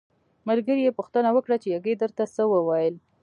ملګري یې پوښتنه وکړه چې یږې درته څه وویل.